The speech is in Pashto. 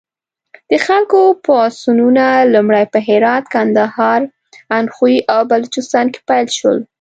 د خلکو پاڅونونه لومړی په هرات، کندهار، اندخوی او بلوچستان کې پیل شول.